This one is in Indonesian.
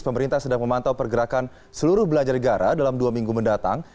pemerintah sedang memantau pergerakan seluruh belajar negara dalam dua minggu mendatang